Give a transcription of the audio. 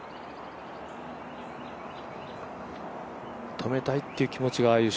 止めたいっていう気持ちがああいう